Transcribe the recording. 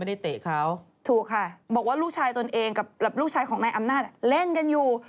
ได้เตะเขาถูกค่ะบอกว่าลูกชายตนเองกับลูกชายของนายอำนาจเล่นกันอยู่